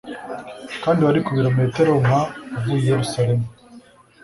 kandi wari ku birometero nka uvuye i Yerusalemu